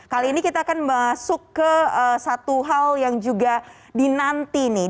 kali ini kita akan masuk ke satu hal yang juga dinanti nih